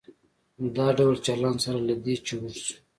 دا ډول چلن سره له دې چې اوږد شو.